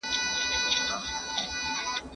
د تراوېح لمونځ د کندهار په جوماتونو کي څنګه ادا کيږي؟